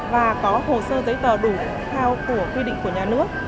và có hồ sơ giấy tờ đủ theo của quy định của nhà nước